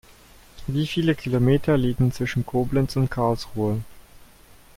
Wie viele Kilometer liegen zwischen Koblenz und Karlsruhe?